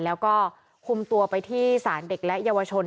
แล้วก็คุมตัวไปที่ศาลเด็กและเยาวชน